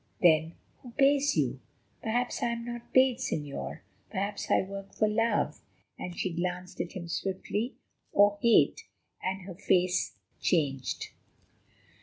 "Then who pays you?" "Perhaps I am not paid, Señor; perhaps I work for love," and she glanced at him swiftly, "or hate," and her face changed.